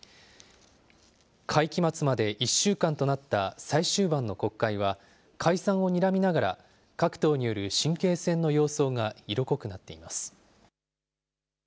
会期末まで１週間となった最終盤の国会は、解散をにらみながら、各党による神経戦の様相が色濃くなっています。